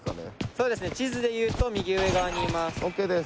そうですね地図でいうと右上側にいます。